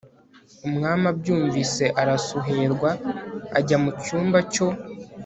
Umwami abyumvise arasuherwa ajya mu cyumba cyo